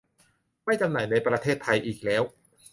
ไม่จำหน่ายในประเทศไทยอีกแล้ว